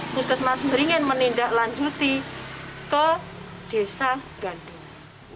puskesmas beringin menindaklanjuti ke desa gandum